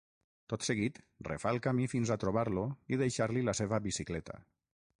Tot seguit refà el camí fins a trobar-lo i deixar-li la seva bicicleta.